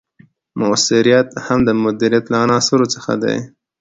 مؤثریت هم د مدیریت له عناصرو څخه دی.